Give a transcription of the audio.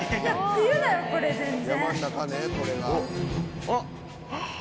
冬だよこれ全然。